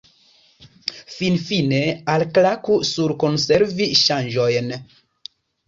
Finfine, alklaku sur Konservi ŝanĝojn.